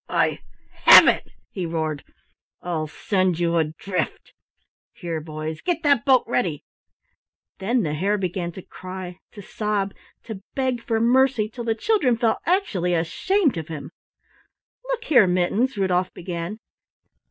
"I have it," he roared, "I'll send you adrift! Here, boys, get that boat ready!" Then the Hare began to cry, to sob, to beg for mercy, till the children felt actually ashamed of him. "Look here, Mittens," Rudolf began.